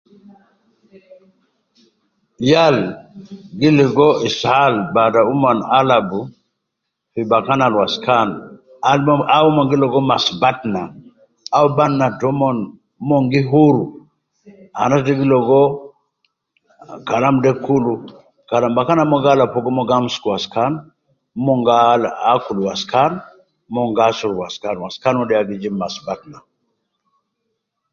Yal gi ligo ishal baada uMon alabu fi bakan Al waskan au umon gi ligo mashi batna au batna toumon Mon gi ligo huru anas de gi ligo Kalam bakan Al umon ga alabu Fogo gi Kun waskanumon ga amsuku